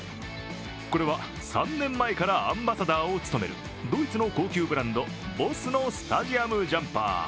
これは、３年前からアンバサダーを務めるドイツの高級ブランド、ＢＯＳＳのスタジアムジャンパー。